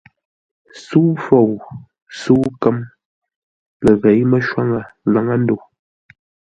Sə́u Fou, sə́u Nkə̌m ləghěi mə́shwáŋə laŋə́-ndə̂u.